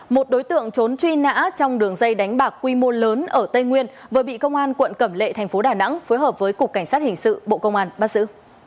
một đối tượng trốn truy nã trong đường dây đánh bạc quy mô lớn ở tây nguyên vừa bị công an quận cẩm lệ thành phố đà nẵng phối hợp với cục cảnh sát hình sự bộ công an bắt giữ